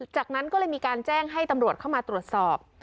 จากนั้นก็เลยมีการแจ้งให้ตำรวจเข้ามาตรวจสอบ